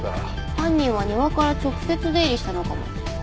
犯人は庭から直接出入りしたのかも。